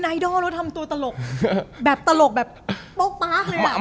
ไม่รู้ทำตัวตลกแบบตลกแบบ